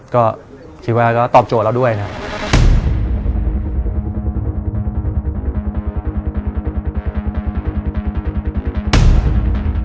ก็คิดว่าก็ตอบโจทย์เราด้วยนะครับ